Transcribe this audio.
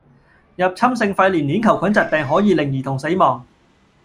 入侵性肺炎鏈球菌疾病可以令兒童死亡